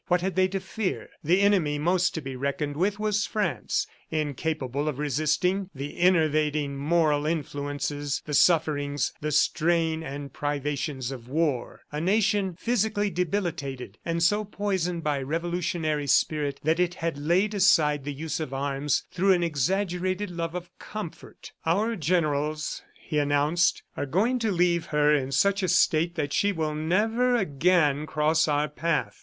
What had they to fear? ... The enemy most to be reckoned with was France, incapable of resisting the enervating moral influences, the sufferings, the strain and the privations of war; a nation physically debilitated and so poisoned by revolutionary spirit that it had laid aside the use of arms through an exaggerated love of comfort. "Our generals," he announced, "are going to leave her in such a state that she will never again cross our path."